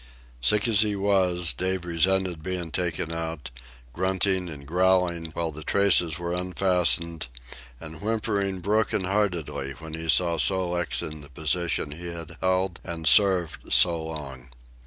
Sick as he was, Dave resented being taken out, grunting and growling while the traces were unfastened, and whimpering broken heartedly when he saw Sol leks in the position he had held and served so long.